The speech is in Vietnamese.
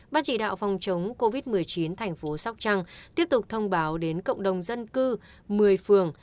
ban chỉ đạo phòng chống covid một mươi chín thành phố sóc trăng tiếp tục thông báo đến cộng đồng dân cư một mươi phường